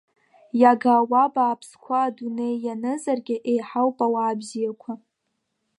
Иага ауаа бааԥсқәа адунеи ианызаргьы, еиҳауп ауаа бзиақәа.